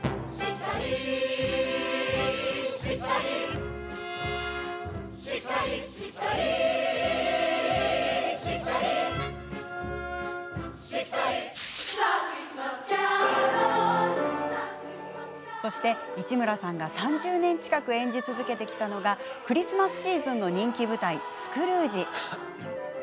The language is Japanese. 「さあクリスマス・キャロル」そして、市村さんが３０年近く演じ続けてきたのがクリスマスシーズンの人気舞台「スクルージ」。